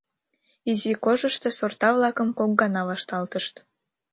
Изи кожышто сорта-влакым кок гана вашталтышт.